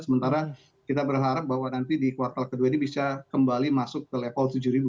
sementara kita berharap bahwa nanti di kuartal kedua ini bisa kembali masuk ke level tujuh